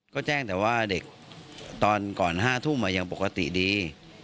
ก็แจ้งแต่ว่าเด็กตอนก่อน๕ทุ่มยังปกติดี